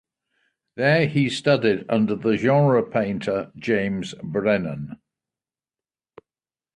There he studied under the genre painter James Brenan.